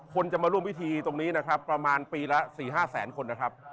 คนจะมาร่วมพิธีตรงนี้นะครับประมาณปีละ๔๕แสนคนนะครับ